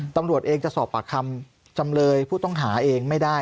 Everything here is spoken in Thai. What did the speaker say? ตำรวจเองจะสอบปากคำจำเลยผู้ต้องหาเองไม่ได้